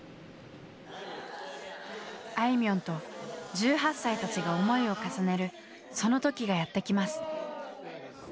あいみょんと１８歳たちが思いを重ねるその時がやって来ます。